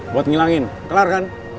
buat ngilangin kelar kan